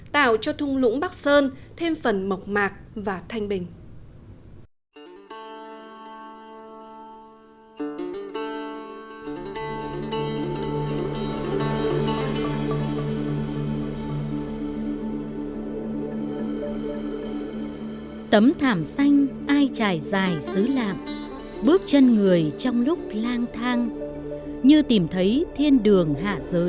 tạo cho thung lũng bắc sơn thêm phần mộc mạc và thanh bình